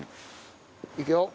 いくよ。